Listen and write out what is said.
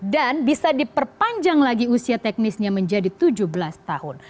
dan bisa diperpanjang lagi usia teknisnya menjadi tujuh belas tahun